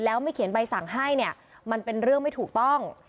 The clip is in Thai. แล้วไม่เขียนใบสั่งให้เนี่ยมันเป็นเรื่องไม่ถูกต้อง